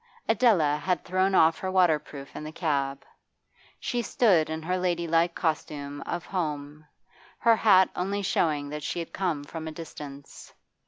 Adela had thrown off her waterproof in the cab; she stood in her lady like costume of home, her hat only showing that she had come from a distance.